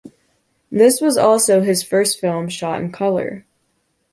This was also his first film shot in color.